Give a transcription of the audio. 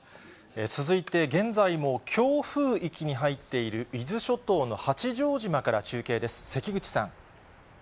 続いて、現在も強風域に入っている伊豆諸島の八丈島から中継です。